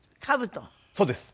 そうです。